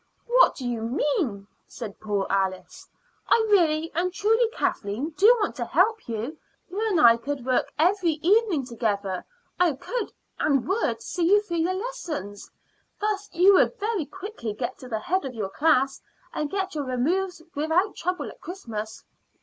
"What do you mean?" said poor Alice. "I really and truly, Kathleen, do want to help you. You and I could work every evening together; I could, and would, see you through your lessons. Thus you would very quickly get to the head of your class, and get your removes without trouble at Christmas."